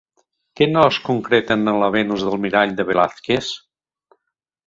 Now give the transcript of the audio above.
Què no es concreten en la Venus del mirall de Velázquez?